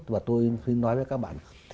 và tôi nói với các bạn